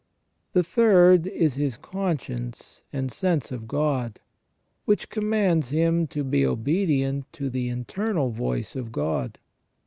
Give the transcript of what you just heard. The third is his conscience and sense of God, which commands him to be obedient to the internal voice of God.